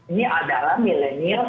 ini adalah milenial